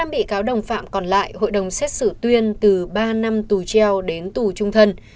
năm bị cáo đồng phạm còn lại hội đồng xét xử tuyên từ ba năm tù treo đến tù trung thân